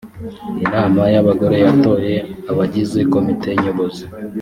inama y’abagore yatoye abagize komite nyobozi